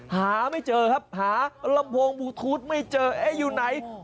หาไม่เจอครับหาลำโพงบลูทูธไม่เจอเอ๊ะอยู่ไหน